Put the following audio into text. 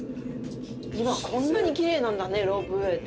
こんなにきれいなんだねロープウェイって。